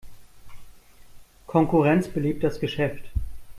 Konkurrenz belebt das Geschäft.